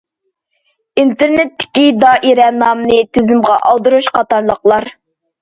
ئىنتېرنېتتىكى دائىرە نامىنى تىزىمغا ئالدۇرۇش قاتارلىقلار.